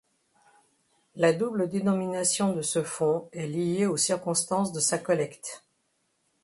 La double dénomination de ce fonds est liée aux circonstances de sa collecte.